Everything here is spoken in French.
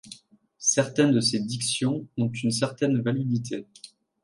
Certains de ces dictions ont une certaine validité.